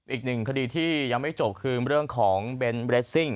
อีกหนึ่งคดีที่ยังไม่จบคือเรื่องของเบนท์เรสซิ่ง